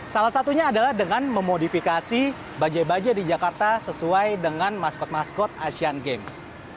salah satunya adalah dengan memodifikasi bajai baja di jakarta sesuai dengan maskot maskot asian games